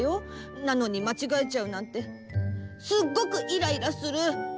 なのにまちがえちゃうなんてすっごくいらいらする。